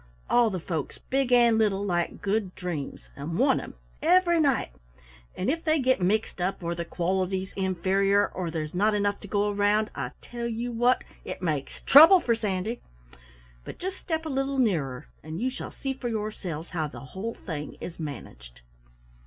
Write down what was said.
All the folks, big and little, like Good Dreams, and want 'em every night, and if they get mixed up or the quality's inferior, or there's not enough to go around, I tell you what, it makes trouble for Sandy! But just step a little nearer, and you shall see for yourselves how the whole thing is managed."